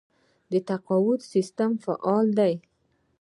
د تقاعد سیستم فعال دی؟